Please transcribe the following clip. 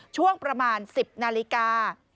ช่วงประมาณ๑๐นาฬิกา